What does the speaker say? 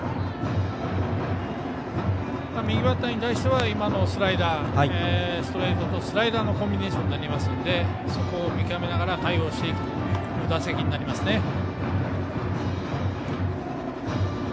右バッターに対してはストレートとスライダーのコンビネーションになりますのでそこを見極めながら対応していく打席になりますね。